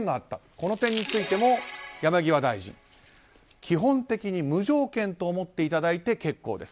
この点についても山際大臣基本的に無条件と思っていただいて結構です。